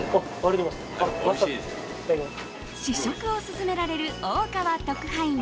試食を勧められる大川特派員。